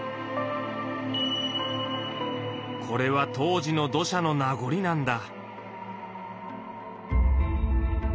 これは当時の土砂の名残なんだ。